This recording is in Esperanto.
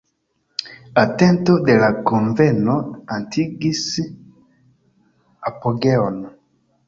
Atento de la kunveno atingis apogeon.